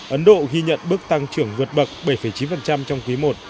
ấn độ ghi nhận bước tăng trưởng vượt bậc bảy chín trong quý một